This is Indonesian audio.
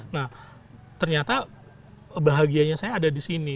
nah ternyata bahagianya saya ada disini